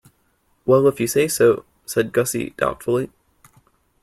"Well, if you say so," said Gussie doubtfully.